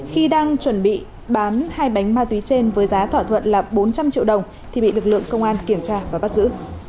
khi đang chuẩn bị bán hai bánh ma túy trên với giá thỏa thuận là bốn trăm linh triệu đồng thì bị lực lượng công an kiểm tra và bắt giữ